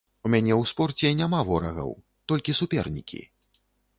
У мяне ў спорце няма ворагаў, толькі супернікі.